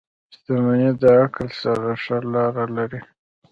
• شتمني د عقل سره ښه لاره لري.